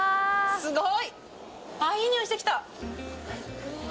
すごい！